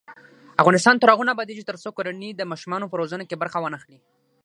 افغانستان تر هغو نه ابادیږي، ترڅو کورنۍ د ماشومانو په روزنه کې برخه وانخلي.